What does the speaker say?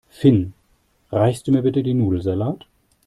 Finn, reichst du mir bitte den Nudelsalat?